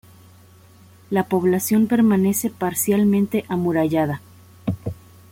La población permanece parcialmente amurallada.